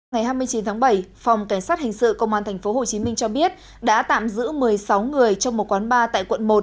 ngày hai mươi chín tháng bảy phòng cảnh sát hình sự công an tp hcm cho biết đã tạm giữ một mươi sáu người trong một quán bar tại quận một